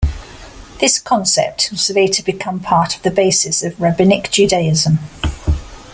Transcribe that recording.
This concept was later to become part of the basis of rabbinic Judaism.